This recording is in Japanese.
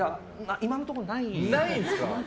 今のところないですね。